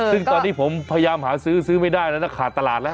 ซึ่งตอนนี้ผมพยายามหาซื้อไม่ได้แล้วนะขาดตลาดแล้ว